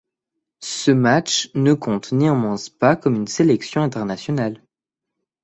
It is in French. Ce match ne compte néanmoins pas comme une sélection internationale.